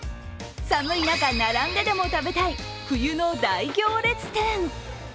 寒い中、並んででも食べたい冬の大行列店。